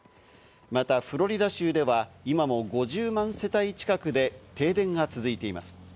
また、フロリダ州ては今も５０万世帯近くで停電が続いています。